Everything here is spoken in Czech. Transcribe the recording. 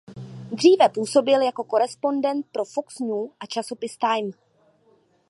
Dříve působil jako korespondent pro Fox News a časopis Time.